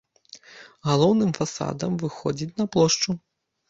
Галоўным фасадам выходзіць на плошчу.